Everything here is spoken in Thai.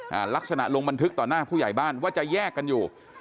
ลักษณะลงบันทึกต่อหน้าผู้ใหญ่บ้านว่าจะแยกกันอยู่